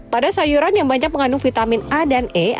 pada sayuran yang banyak mengandung vitamin a dan e